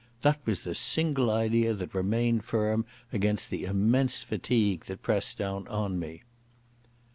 That was the single idea that remained firm against the immense fatigue that pressed down on me.